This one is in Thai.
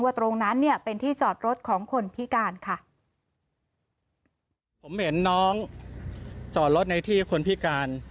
ตรงนั้นเนี่ยเป็นที่จอดรถของคนพิการค่ะผมเห็นน้องจอดรถในที่คนพิการ